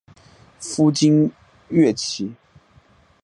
夫金乐琦。